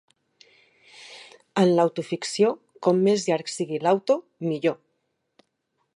En l'autoficció, com més llarg sigui l'auto, millor!